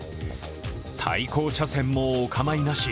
対向車線もお構いなし。